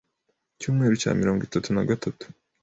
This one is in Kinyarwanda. Icyumweru cya mirongo itatu na gatatu